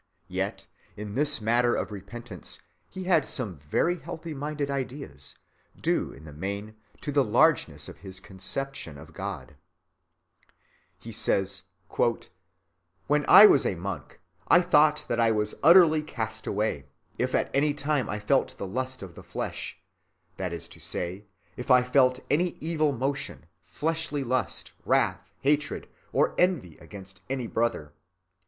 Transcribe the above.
Yet in this matter of repentance he had some very healthy‐minded ideas, due in the main to the largeness of his conception of God. "When I was a monk," he says, "I thought that I was utterly cast away, if at any time I felt the lust of the flesh: that is to say, if I felt any evil motion, fleshly lust, wrath, hatred, or envy against any brother.